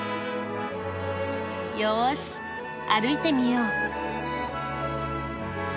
よし歩いてみよう。